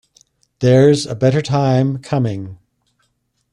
There's a better time coming.